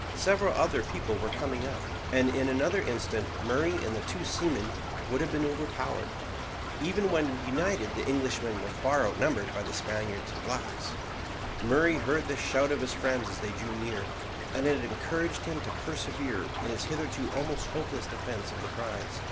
Several other people were coming up, and in another instant Murray and the two seamen would have been overpowered. Even when united the Englishmen were far outnumbered by the Spaniards and blacks. Murray heard the shout of his friends as they drew near, and it encouraged him to persevere in his hitherto almost hopeless defence of the prize.